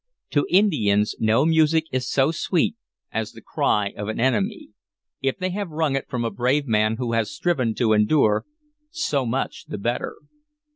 To Indians no music is so sweet as the cry of an enemy; if they have wrung it from a brave man who has striven to endure, so much the better.